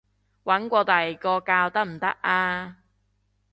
搵過第二個教得唔得啊？